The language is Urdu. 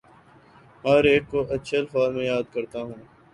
ہر ایک کو اچھے الفاظ میں یاد کرتا ہوں